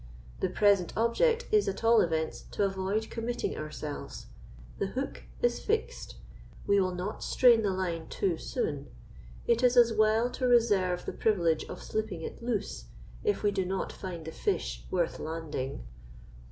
The present object is, at all events, to avoid committing ourselves. The hook is fixed; we will not strain the line too soon: it is as well to reserve the privilege of slipping it loose, if we do not find the fish worth landing."